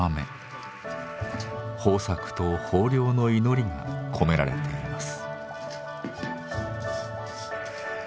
豊作と豊漁の祈りが込められています。